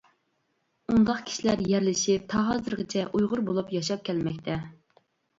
ئۇنداق كىشىلەر يەرلىشىپ تا ھازىرغىچە ئۇيغۇر بولۇپ ياشاپ كەلمەكتە.